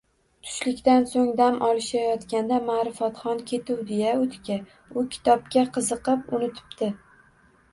Tushlikdan soʼng dam olishayotganda Maʼrifatxon ketuvdi-ya oʼtga, u kitobga qiziqib unutibdi.